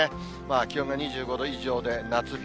気温が２５度以上で夏日。